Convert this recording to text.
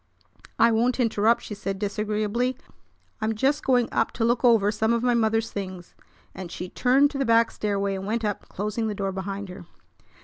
"I won't interrupt," she said disagreeably. "I'm just going up to look over some of my mother's things." And she turned to the back stairway, and went up, closing the door behind her.